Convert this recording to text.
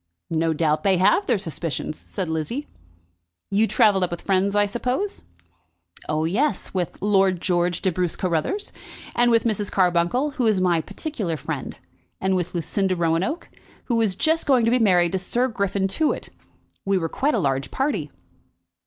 "No doubt they have their suspicions," said Lizzie. "You travelled up with friends, I suppose." "Oh yes, with Lord George de Bruce Carruthers; and with Mrs. Carbuncle, who is my particular friend, and with Lucinda Roanoke, who is just going to be married to Sir Griffin Tewett. We were quite a large party."